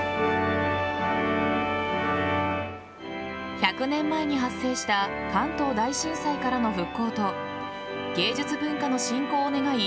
１００年前に発生した関東大震災からの復興と芸術文化の振興を願い